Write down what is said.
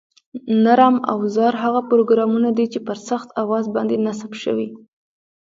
نرم اوزار هغه پروګرامونه دي چې پر سخت اوزار باندې نصب شوي